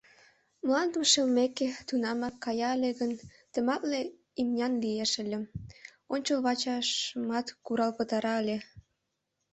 Мландым шелмеке, тунамак кая ыле гын, тымарте имнян лиеш ыле, ончылвачашымат курал пытара ыле...